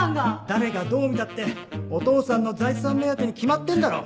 誰がどう見たってお父さんの財産目当てに決まってんだろ。